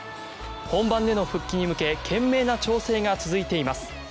本番での復帰に向け懸命な調整が続いています。